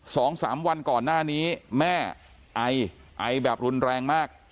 สองสามวันก่อนหน้านี้แม่ไอไอแบบรุนแรงมาก